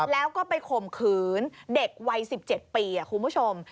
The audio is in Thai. แล้วก็ไปข่มขืนเด็กวัย๑๗ปีคุณผู้ชม